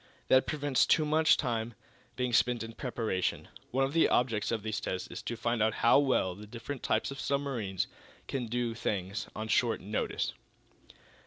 That prevents too much time being spent in preparation. One of the objects of these tests is to find out how well the different types of submarines can do things on short notice."